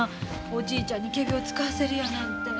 おじいちゃんに仮病を使わせるやなんて。